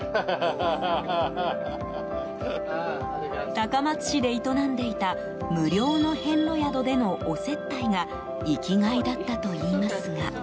高松市で営んでいた無料の遍路宿でのお接待が生きがいだったといいますが。